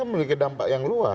memiliki dampak yang luas